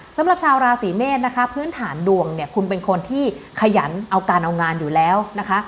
สำหรับชาวราศีเมษนะคะพื้นฐานดวงเนี่ยคุณเป็นคนที่ขยันเอาการเอางานอยู่แล้วนะคะ